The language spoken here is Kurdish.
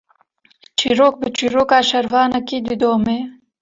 Çîrok, bi çîroka şervanekî didome